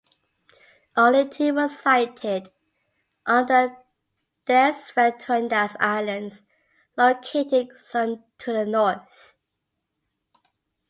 Only two were sighted on the Desventuradas Islands, located some to the north.